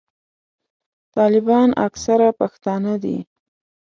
طالبان اکثره پښتانه دي.